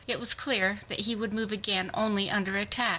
It was clear that he would move again only under attack.